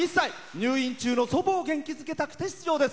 入院中の祖母を元気づけたくて出場です。